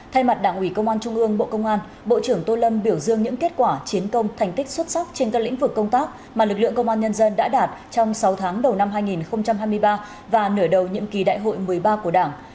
thay mặt đảng ủy công an trung ương bộ công an bộ trưởng tô lâm biểu dương những kết quả chiến công thành tích xuất sắc trên các lĩnh vực công tác mà lực lượng công an nhân dân đã đạt trong sáu tháng đầu năm hai nghìn hai mươi ba và nửa đầu nhiệm kỳ đại hội một mươi ba của đảng